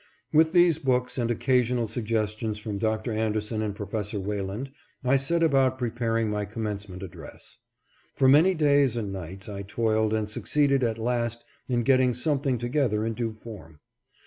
With these books and occasional suggestions from Dr. Anderson and Prof. Wayland I set about preparing my commencement address. For many days and nights I toiled, and succeeded at last in getting something together in due form.